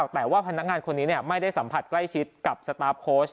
แต่ว่าพนักงานคนนี้ไม่ได้สัมผัสใกล้ชิดกับสตาร์ฟโค้ช